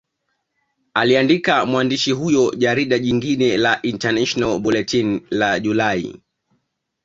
Aliandika mwandishi huyo Jarida jingine la International Bulletin la Julai